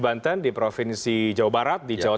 banten di provinsi jawa barat di jawa